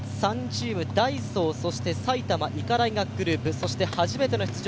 ダイソー、埼玉医科大学グループ、そして初めての出場